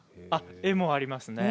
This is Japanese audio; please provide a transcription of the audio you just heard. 絵もあります。